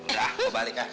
udah gue balik ya